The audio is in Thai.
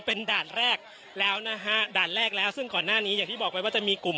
เป็นด่านแรกแล้วนะฮะด่านแรกแล้วซึ่งก่อนหน้านี้อย่างที่บอกไปว่าจะมีกลุ่ม